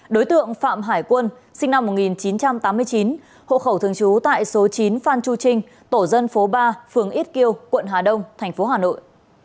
đối tượng phạm hải quân sinh năm một nghìn chín trăm tám mươi chín hộ khẩu thường trú tại số chín phan chu trinh tổ dân phố ba phường ít kiêu quận hà đông tp hà nội